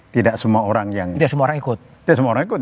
tidak semua orang yang ikut